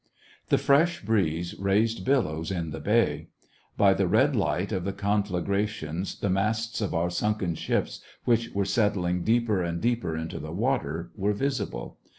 The fresh breeze raised billows in the bay. By the red light of the conflagrations, the masts of our sunken ships, which were settling deeper and deeper into the water, were visible.